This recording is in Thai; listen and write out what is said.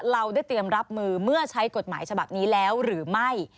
เราได้เตรียมรับมือเมื่อใช้กฎหมายฉบับนี้แล้วหรือไม่